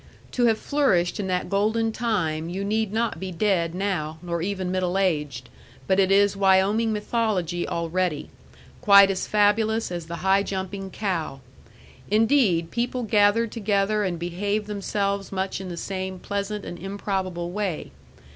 To have flourished in that golden time you need not be dead now, nor even middle aged; but it is Wyoming mythology already quite as fabulous as the high jumping cow. Indeed, people gathered together and behaved themselves much in the same pleasant and improbable way.